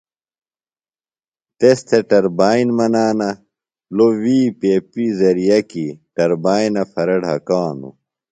تس تھےۡ ٹربائن منانہ لوۡ وی پیپیۡ زرئعہ کیۡ ٹربائنہ پھرے ڈھکانوۡ۔